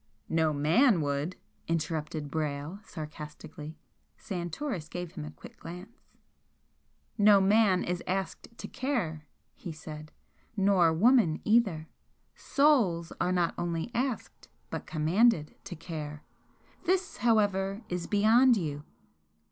"No MAN would," interrupted Brayle, sarcastically. Santoris gave him a quick glance. "No man is asked to care!" he said "Nor woman either. SOULS are not only asked, but COMMANDED, to care! This, however, is beyond you!"